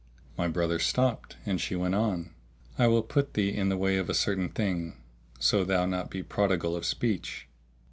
My brother stopped and she went on, "I will put thee in the way of a certain thing, so thou not be prodigal of speech."